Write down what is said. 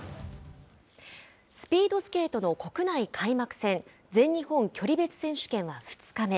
スピードスケートの国内開幕戦全日本距離別選手権は２日目。